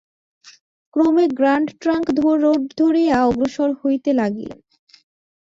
ক্রমে grand trunk road ধরিয়া অগ্রসর হইতে লাগিলেন।